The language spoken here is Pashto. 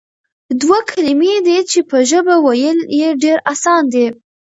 دوه کلمې دي چې په ژبه ويل ئي ډېر آسان دي،